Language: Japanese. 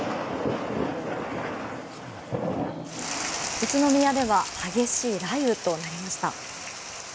宇都宮では激しい雷雨となりました。